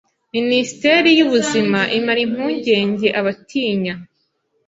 Minisiteri y’Ubuzima imara impungenge abatinya